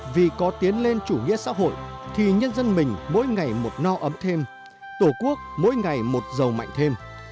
vì có tiến lên chủ nghĩa xã hội thì nhân dân mình mỗi ngày một no ấm thêm tổ quốc mỗi ngày một giàu mạnh thêm